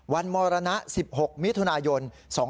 มรณะ๑๖มิถุนายน๒๕๖